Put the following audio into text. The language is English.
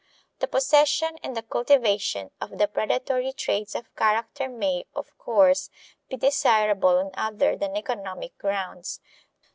The possession and the cultivation of the predatory traits of character may, of course, be desirable on other than economic grounds.